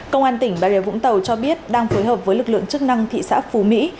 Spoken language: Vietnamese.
công an tỉnh bà rịa vũng tàu cho biết đang phối hợp với lực lượng chức năng thị xã phú mỹ